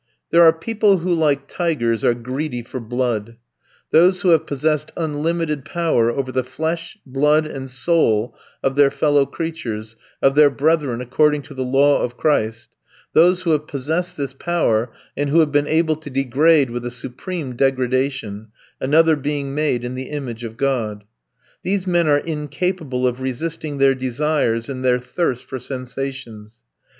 There are people who, like tigers, are greedy for blood. Those who have possessed unlimited power over the flesh, blood, and soul of their fellow creatures, of their brethren according to the law of Christ, those who have possessed this power and who have been able to degrade with a supreme degradation, another being made in the image of God; these men are incapable of resisting their desires and their thirst for sensations.